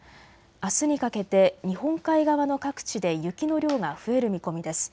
あすにかけて日本海側の各地で雪の量が増える見込みです。